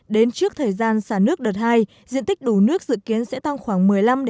đến trước thời gian xả nước đợt hai diện tích đủ nước dự kiến sẽ tăng khoảng một mươi năm